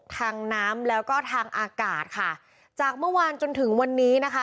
ทางน้ำแล้วก็ทางอากาศค่ะจากเมื่อวานจนถึงวันนี้นะคะ